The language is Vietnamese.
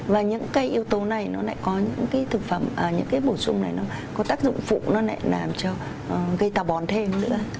và những yếu tố này có tác dụng phụ làm cho gây tàu bón thêm